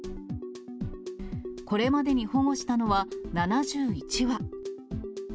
これまでに保護したのは７１羽。